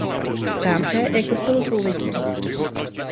Ptám se, jak to spolu souvisí?